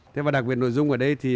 thế và đặc biệt nội dung ở đây thì